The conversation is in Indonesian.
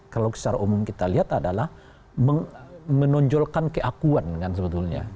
kalau secara umum kita lihat adalah menonjolkan keakuan kan sebetulnya